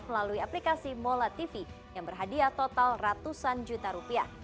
melalui aplikasi mola tv yang berhadiah total ratusan juta rupiah